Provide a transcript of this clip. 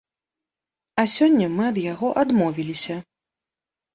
А сёння мы ад яго адмовіліся.